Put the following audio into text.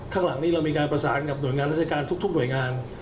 ข้างหลังนี้เรามีการประสานกับหน่วยงานราชการทุกหน่วยงาน